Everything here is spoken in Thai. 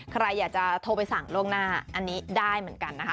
ใครอยากจะโทรไปสั่งล่วงหน้าอันนี้ได้เหมือนกันนะคะ